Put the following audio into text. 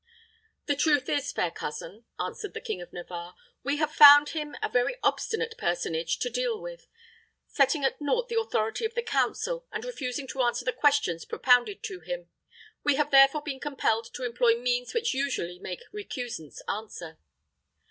"The truth is, fair cousin," answered the King of Navarre, "we have found him a very obstinate personage to deal with, setting at naught the authority of the council, and refusing to answer the questions propounded to him. We have therefore been compelled to employ means which usually make recusants answer."